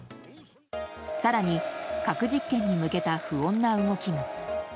更に、核実験に向けた不穏な動きも。